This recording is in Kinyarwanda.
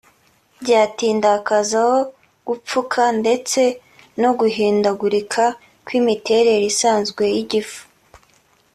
byatinda hakazaho gupfuka ndetse no guhindagurika kw’imiterere isanzwe y’igifu